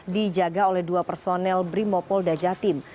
dijaga oleh dua personel brimopolda jatim